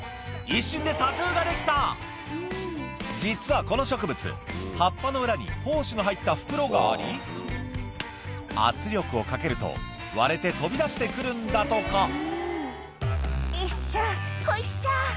一瞬でタトゥーができた実はこの植物葉っぱの裏に胞子の入った袋があり圧力をかけると割れて飛び出して来るんだとか「えっさほいさ！」